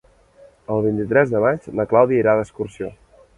El vint-i-tres de maig na Clàudia irà d'excursió.